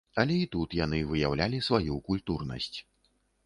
Але і тут яны выяўлялі сваю культурнасць.